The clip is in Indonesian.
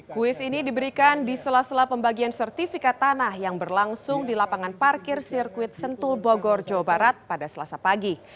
kuis ini diberikan di sela sela pembagian sertifikat tanah yang berlangsung di lapangan parkir sirkuit sentul bogor jawa barat pada selasa pagi